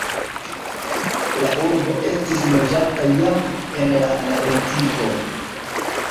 La urbo estis loĝata jam en la neolitiko.